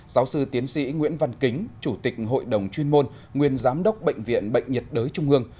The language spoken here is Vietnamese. giáo sư tiến sĩ nguyễn văn kính chủ tịch hội đồng chuyên môn nguyên giám đốc bệnh viện bệnh nhiệt đới trung ương